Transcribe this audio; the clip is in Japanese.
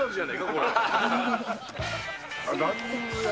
これ。